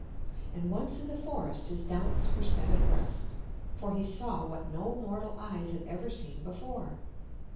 And once in the forest his doubts were set at rest, for he saw what no mortal eyes had ever seen before.